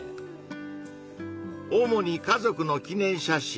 おもに家族の記念写真